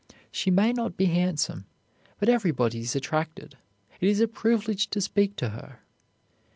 She may not be handsome, but everybody is attracted; it is a privilege to speak to her.